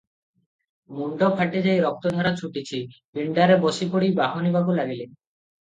ମୁଣ୍ଡ ଫାଟିଯାଇ ରକ୍ତଧାର ଛୁଟିଛି, ପିଣ୍ଡାରେ ବସିପଡ଼ି ବାହୁନିବାକୁ ଲାଗିଲେ -